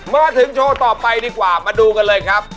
มาดูโชว์ต่อไปดีกว่ามาดูกันเลยครับ